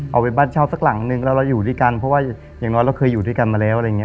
เอาไปบ้านเช่าสักหลังนึงแล้วเราอยู่ด้วยกันเพราะว่าอย่างน้อยเราเคยอยู่ด้วยกันมาแล้วอะไรอย่างนี้